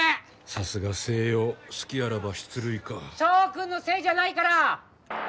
さすが星葉隙あらば出塁か翔くんのせいじゃないから！